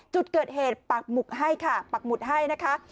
จุดเกิดเหตุปักหมุกให้ค่ะปักหมุดให้นะคะ